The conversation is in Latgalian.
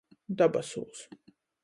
Dabasūs.